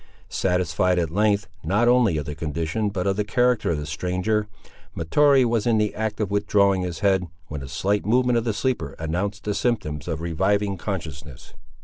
Satisfied at length, not only of the condition but of the character of the stranger, Mahtoree was in the act of withdrawing his head, when a slight movement of the sleeper announced the symptoms of reviving consciousness.